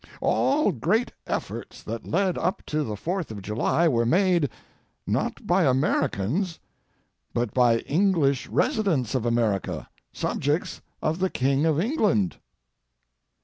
All great efforts that led up to the Fourth of July were made, not by Americans, but by English residents of America, subjects of the King of England.